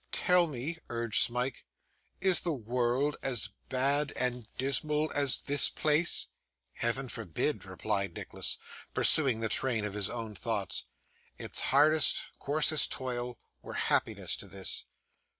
'Tell me,' urged Smike, 'is the world as bad and dismal as this place?' 'Heaven forbid,' replied Nicholas, pursuing the train of his own thoughts; 'its hardest, coarsest toil, were happiness to this.